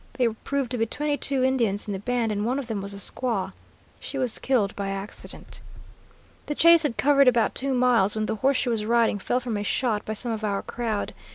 There proved to be twenty two Indians in the band, and one of them was a squaw. She was killed by accident. "The chase had covered about two miles, when the horse she was riding fell from a shot by some of our crowd.